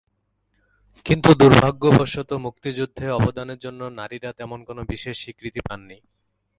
কিন্তু দূর্ভাগ্যবশত মুক্তিযুদ্ধে অবদানের জন্য নারীরা তেমন কোনো বিশেষ স্বীকৃতি পাননি।